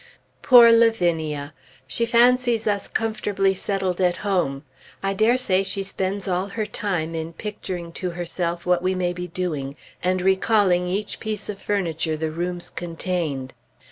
Poor Lavinia! She fancies us comfortably settled at home; I dare say she spends all her time in picturing to herself what we may be doing, and recalling each piece of furniture the rooms contained.